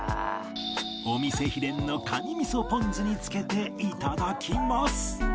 お店秘伝の蟹味噌ポン酢につけていただきます